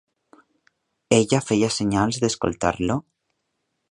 Ella feia senyals d'escoltar-lo?